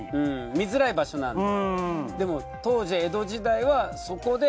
見づらい場所なんで。